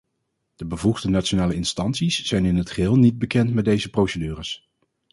De bevoegde nationale instanties zijn in het geheel niet bekend met deze procedures.